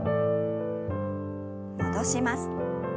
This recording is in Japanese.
戻します。